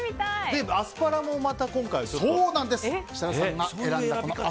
アスパラもまた今回、ちょっと。